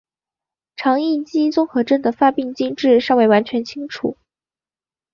肠易激综合征的发病机制尚未完全清楚。